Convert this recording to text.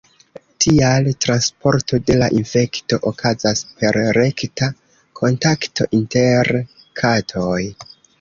Tial transporto de la infekto okazas per rekta kontakto inter katoj.